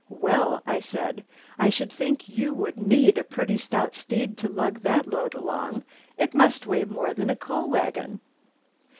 "Well!" I said, "I should think you would need a pretty stout steed to lug that load along. It must weigh more than a coal wagon."